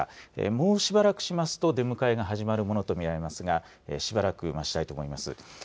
もうしばらくしますと、出迎えが始まるものと見られますが、しばらく待ちたいと思います。